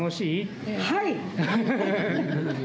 はい！